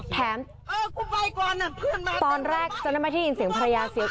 แถมตอนแรกจะได้มาที่ยินเสียงภรรยาเสียง